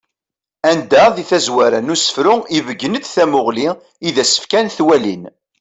Anda di tazwara n usefru ibeggen-d tamuɣli i d-as-fkan twalin.